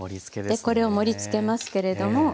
でこれを盛りつけますけれども。